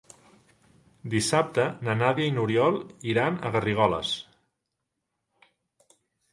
Dissabte na Nàdia i n'Oriol iran a Garrigoles.